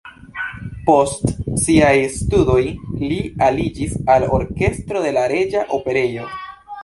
Post siaj studoj li aliĝis al orkestro de la Reĝa Operejo.